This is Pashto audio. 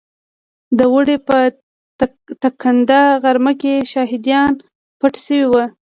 د اوړي په ټکنده غرمه کې شهادیان پټ شوي وو.